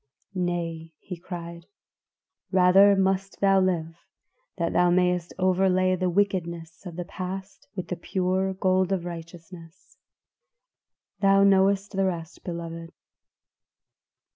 "'Nay,' he cried, 'rather must thou live, that thou mayest overlay the wickedness of the past with the pure gold of righteousness.' "Thou knowest the rest, beloved."